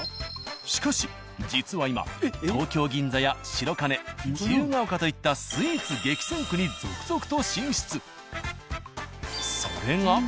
しかし実は今東京・銀座や白金自由が丘といったスイーツ激戦区に続々と進出。